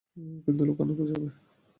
কিন্তু লুকানো তো যাবে।